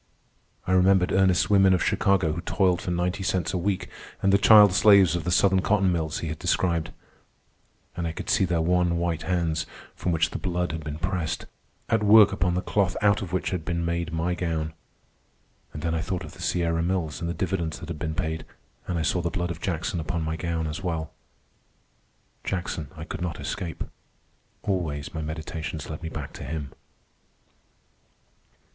I remembered Ernest's women of Chicago who toiled for ninety cents a week, and the child slaves of the Southern cotton mills he had described. And I could see their wan white hands, from which the blood had been pressed, at work upon the cloth out of which had been made my gown. And then I thought of the Sierra Mills and the dividends that had been paid, and I saw the blood of Jackson upon my gown as well. Jackson I could not escape. Always my meditations led me back to him.